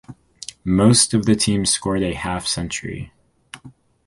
Most of the team scored a half century.